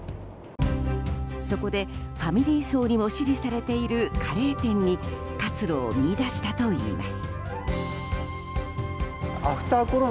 そこで、ファミリー層にも支持されているカレー店に活路を見出したといいます。